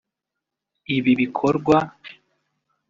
ibi bikorwa